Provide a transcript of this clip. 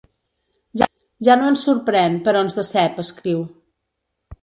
Ja no ens sorprèn, però ens decep, escriu.